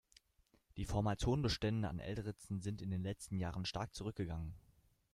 Die vormals hohen Bestände an Elritzen sind in den letzten Jahren stark zurückgegangen.